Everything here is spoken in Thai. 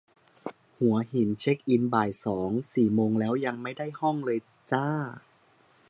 หัวหิน เช็คอินบ่ายสอง สี่โมงแล้วยังไม่ได้ห้องเลยจร้า